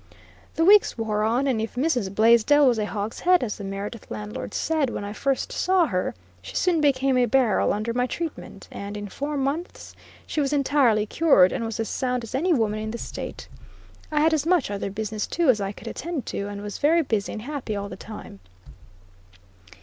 The weeks wore on, and if Mrs. Blaisdell was a hogshead, as the Meredith landlord said, when I first saw her, she soon became a barrel under my treatment, and in four months she was entirely cured, and was as sound as any woman in the State. I had as much other business too as I could attend to, and was very busy and happy all the time.